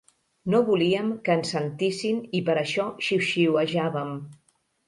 No volíem que ens sentissin i per això xiuxiuejàvem.